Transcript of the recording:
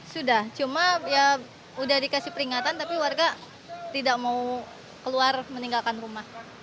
sudah cuma ya sudah dikasih peringatan tapi warga tidak mau keluar meninggalkan rumah